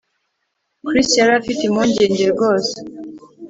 Chris yari afite impungenge rwose